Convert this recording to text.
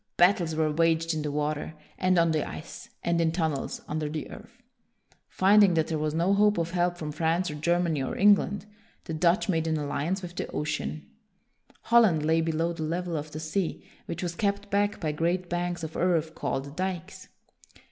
Battles were waged in the water, and on the ice, and in tunnels under the earth. Finding that there was no hope of help from France or Germany or England, the WILLIAM THE SILENT Dutch made an alliance with the ocean. Holland lay below the level of the sea, which was kept back by great banks of earth called dikes.